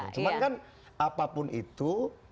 karena kan apapun itu